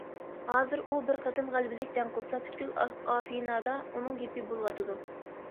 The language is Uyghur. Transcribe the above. ھازىر ئۇ بىر قېتىم غەلىبىلىك جەڭ قىلسا، پۈتكۈل ئافېنادا ئۇنىڭ گېپى بولۇۋاتىدۇ.